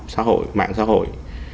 xã hội mạng xã hội